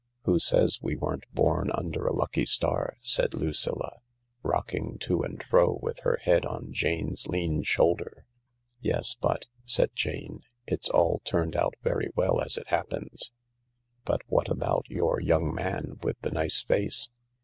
" Who says we weren't born under a lucky star ?" said Lucilla, rocking to and fro with her head on Jane's lean shoulder. "Yes ; but," said Jane, "it's all turned out very well as it happens, but what about your young man with the nice face